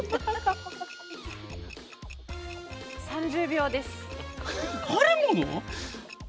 ３０秒です。